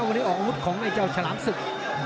วันนี้ออกอาวุธของไอ้เจ้าฉลามศึก